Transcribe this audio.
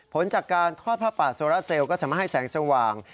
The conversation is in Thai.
ผลจากการทอดผ้าป่าโซราเซลก็สามารถให้แสงสว่าง